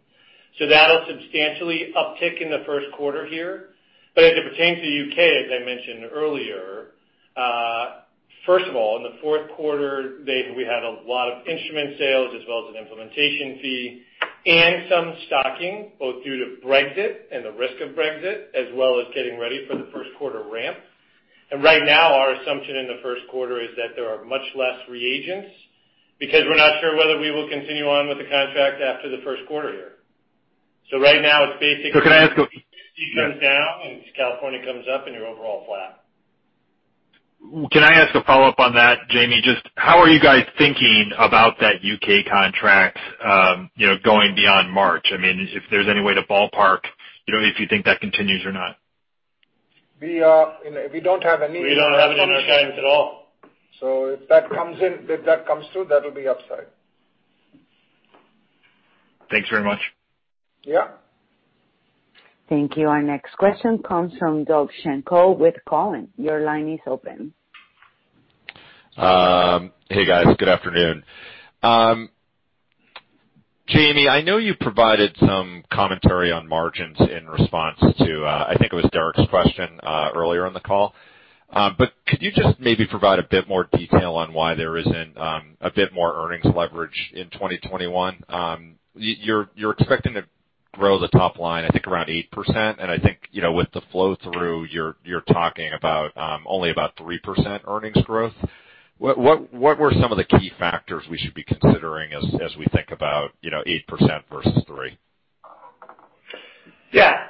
That'll substantially uptick in the first quarter here. As it pertains to U.K., as I mentioned earlier, first of all, in the fourth quarter, we had a lot of instrument sales as well as an implementation fee and some stocking, both due to Brexit and the risk of Brexit, as well as getting ready for the first quarter ramp. Right now, our assumption in the first quarter is that there are much less reagents because we're not sure whether we will continue on with the contract after the first quarter here. Right now, it's basically- Can I ask? U.K. comes down and California comes up and you're overall flat. Can I ask a follow-up on that, Jamey? Just how are you guys thinking about that U.K. contract going beyond March? If there's any way to ballpark, if you think that continues or not? We don't have any- We don't have any insights at all. If that comes through, that'll be upside. Thanks very much. Yeah. Thank you. Our next question comes from Doug Schenkel with Cowen. Your line is open. Hey, guys. Good afternoon. Jamey, I know you provided some commentary on margins in response to, I think it was Derik's question, earlier in the call. Could you just maybe provide a bit more detail on why there isn't a bit more earnings leverage in 2021? You're expecting to grow the top line, I think, around 8%. I think, with the flow-through, you're talking about only about 3% earnings growth. What were some of the key factors we should be considering as we think about 8% versus three? Yeah.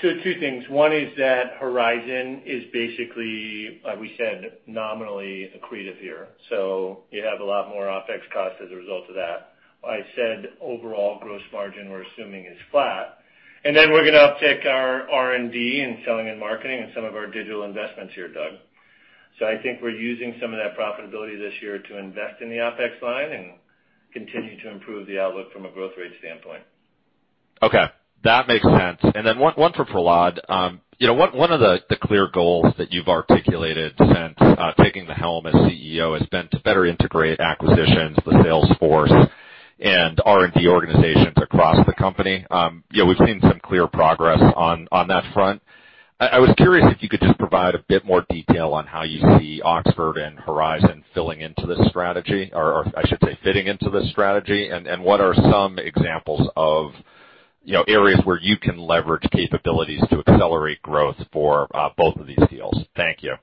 two things. One is that Horizon is basically, like we said, nominally accretive here. You have a lot more OpEx cost as a result of that. I said, overall, gross margin, we're assuming, is flat. Then we're going to uptick our R&D and selling and marketing and some of our digital investments here, Doug. I think we're using some of that profitability this year to invest in the OpEx line and continue to improve the outlook from a growth rate standpoint. Okay. That makes sense. One for Prahlad. One of the clear goals that you've articulated since taking the helm as CEO has been to better integrate acquisitions, the sales force, and R&D organizations across the company. We've seen some clear progress on that front. I was curious if you could just provide a bit more detail on how you see Oxford and Horizon fitting into this strategy. What are some examples of areas where you can leverage capabilities to accelerate growth for both of these deals? Thank you.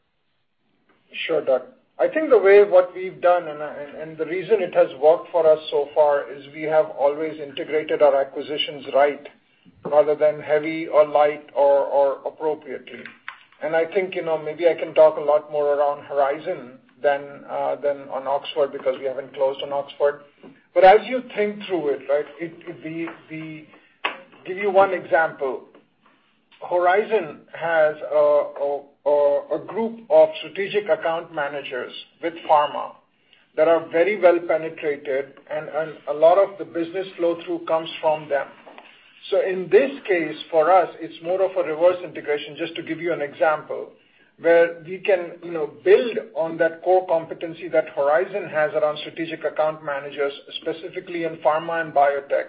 Sure, Doug. I think the way what we've done, and the reason it has worked for us so far, is we have always integrated our acquisitions right rather than heavy or light or appropriately. I think, maybe I can talk a lot more around Horizon than on Oxford because we haven't closed on Oxford. As you think through it, right? Give you one example. Horizon has a group of strategic account managers with pharma that are very well penetrated, and a lot of the business flow-through comes from them. In this case, for us, it's more of a reverse integration, just to give you an example, where we can build on that core competency that Horizon has around strategic account managers, specifically in pharma and biotech,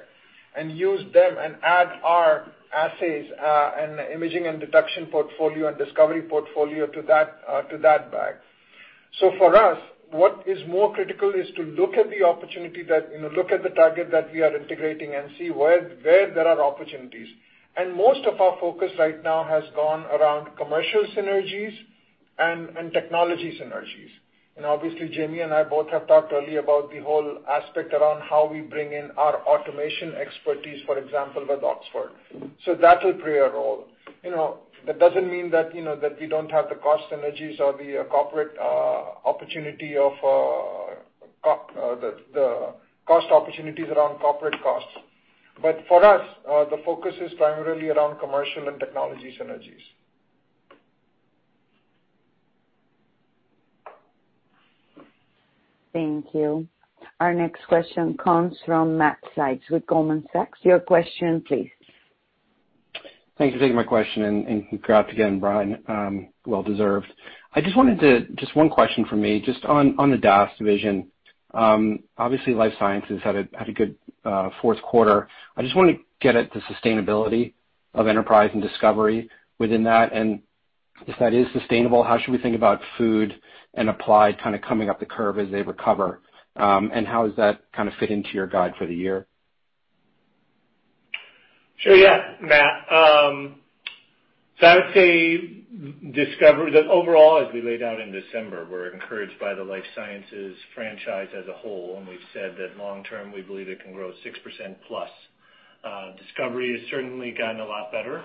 and use them and add our assays, and imaging and detection portfolio and discovery portfolio to that bag. For us, what is more critical is to look at the target that we are integrating and see where there are opportunities. Most of our focus right now has gone around commercial synergies and technology synergies. Obviously, Jamey and I both have talked earlier about the whole aspect around how we bring in our automation expertise, for example, with Oxford. That will play a role. That doesn't mean that we don't have the cost synergies or the corporate opportunity of the cost opportunities around corporate costs. For us, the focus is primarily around commercial and technology synergies. Thank you. Our next question comes from Matt Sykes with Goldman Sachs. Your question, please. Thank you for taking my question, and congrats again, Bryan. Well deserved. Just one question from me, just on the DAS division. Obviously, life sciences had a good fourth quarter. I just want to get at the sustainability of enterprise and discovery within that, and if that is sustainable, how should we think about food and applied coming up the curve as they recover? How does that fit into your guide for the year? Sure. Yeah, Matt. I would say that overall, as we laid out in December, we're encouraged by the life sciences franchise as a whole, and we've said that long term, we believe it can grow 6%+. Discovery has certainly gotten a lot better.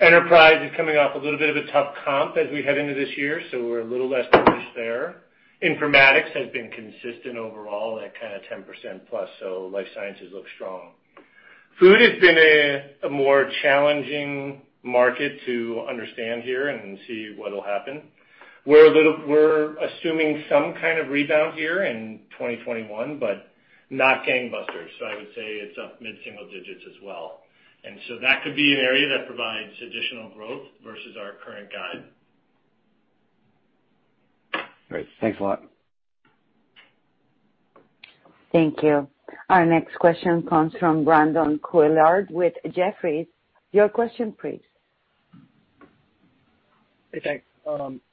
Enterprise is coming off a little bit of a tough comp as we head into this year, we're a little less bullish there. Informatics has been consistent overall at 10%+. Life sciences looks strong. Food has been a more challenging market to understand here and see what'll happen. We're assuming some kind of rebound here in 2021, not gangbusters. I would say it's up mid-single digits as well. That could be an area that provides additional growth versus our current guide. Great. Thanks a lot. Thank you. Our next question comes from Brandon Couillard with Jefferies. Your question, please. Hey, thanks.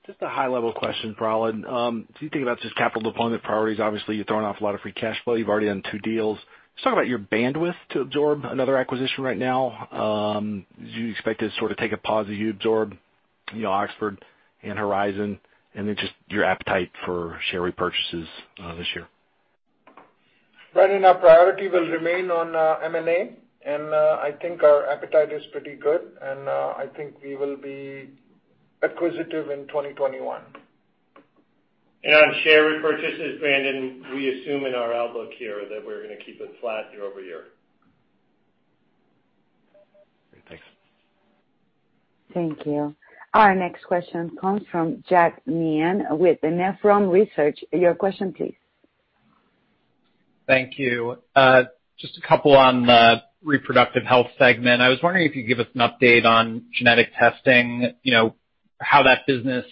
Just a high level question for Prahlad. If you think about just capital deployment priorities, obviously you're throwing off a lot of free cash flow. You've already done two deals. Just talk about your bandwidth to absorb another acquisition right now. Do you expect to sort of take a pause as you absorb Oxford and Horizon? Just your appetite for share repurchases this year. Brandon, our priority will remain on M&A, and I think our appetite is pretty good, and I think we will be acquisitive in 2021. On share repurchases, Brandon, we assume in our outlook here that we're going to keep it flat year-over-year. Great. Thanks. Thank you. Our next question comes from Jack Meehan with Nephron Research. Your question, please. Thank you. Just a couple on the reproductive health segment. I was wondering if you could give us an update on genetic testing, how that business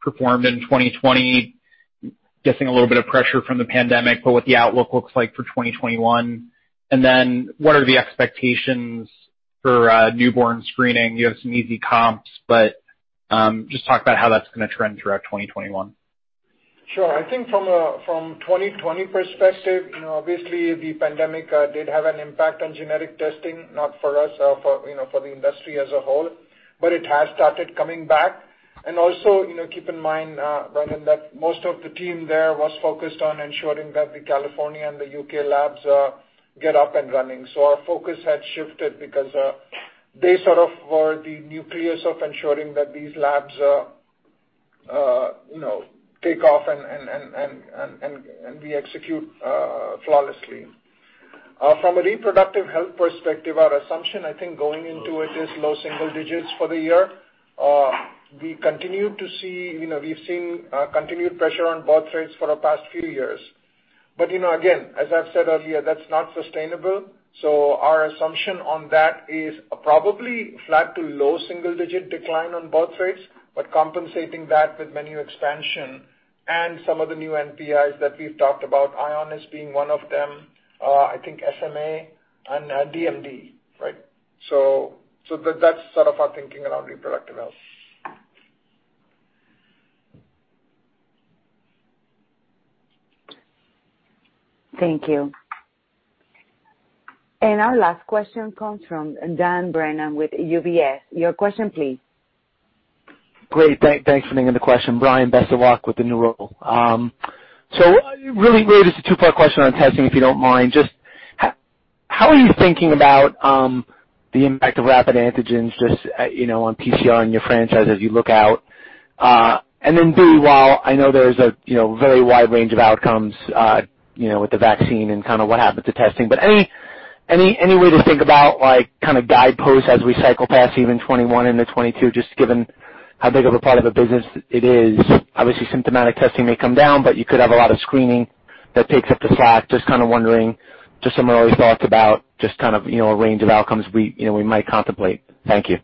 performed in 2020, guessing a little bit of pressure from the pandemic, but what the outlook looks like for 2021. What are the expectations for newborn screening? You have some easy comps, just talk about how that's going to trend throughout 2021. Sure. I think from 2020 perspective, obviously the pandemic did have an impact on genetic testing, not for us, for the industry as a whole, but it has started coming back. Also, keep in mind, Brandon, that most of the team there was focused on ensuring that the California and the UK labs get up and running. Our focus had shifted because they sort of were the nucleus of ensuring that these labs take off and we execute flawlessly. From a reproductive health perspective, our assumption, I think, going into it is low single digits for the year. We've seen continued pressure on birthrates for the past few years. Again, as I've said earlier, that's not sustainable. Our assumption on that is probably flat to low single-digit decline on birthrates, but compensating that with menu expansion and some of the new NPIs that we've talked about, EONIS is being one of them, I think SMA and DMD. That's sort of our thinking around reproductive health. Thank you. Our last question comes from Dan Brennan with UBS. Your question, please. Great. Thanks for taking the question, Bryan. Best of luck with the new role. Really, this is a two-part question on testing, if you don't mind. How are you thinking about the impact of rapid antigens just on PCR and your franchise as you look out? B, while I know there's a very wide range of outcomes with the vaccine and kind of what happens to testing, any way to think about kind of guideposts as we cycle past even 2021 into 2022, given how big of a part of a business it is? Obviously, symptomatic testing may come down, you could have a lot of screening that takes up the slack. Some early thoughts about kind of a range of outcomes we might contemplate. Thank you.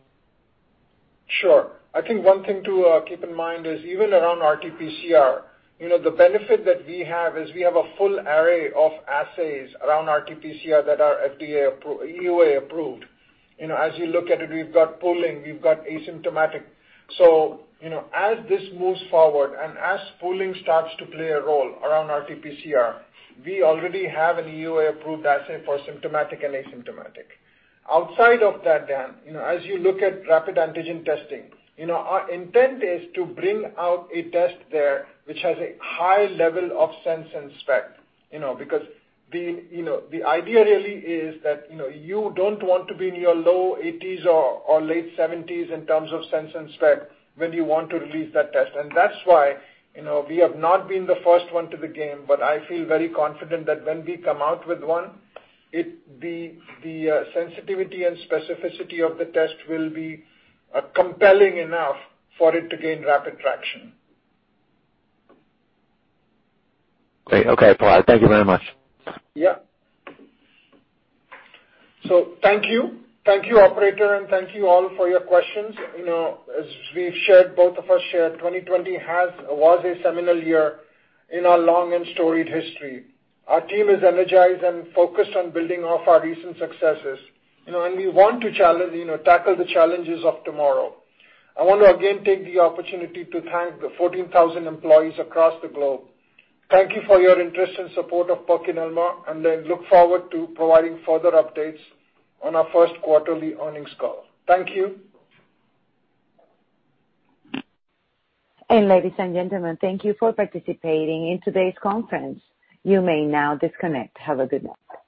Sure. I think one thing to keep in mind is even around RT-PCR, the benefit that we have is we have a full array of assays around RT-PCR that are EUA approved. As you look at it, we've got pooling, we've got asymptomatic. As this moves forward and as pooling starts to play a role around RT-PCR, we already have an EUA-approved assay for symptomatic and asymptomatic. Outside of that, Dan, as you look at rapid antigen testing, our intent is to bring out a test there which has a high level of sense and spec. The idea really is that you don't want to be in your low 80s or late 70s in terms of sense and spec when you want to release that test. That's why we have not been the first one to the game, but I feel very confident that when we come out with one, the sensitivity and specificity of the test will be compelling enough for it to gain rapid traction. Great. Okay, Prahlad. Thank you very much. Yeah. Thank you. Thank you, operator, and thank you all for your questions. As we've shared, 2020 was a seminal year in our long and storied history. Our team is energized and focused on building off our recent successes. We want to tackle the challenges of tomorrow. I want to again take the opportunity to thank the 14,000 employees across the globe. Thank you for your interest and support of PerkinElmer, and I look forward to providing further updates on our first quarterly earnings call. Thank you. Ladies and gentlemen, thank you for participating in today's conference. You may now disconnect. Have a good night.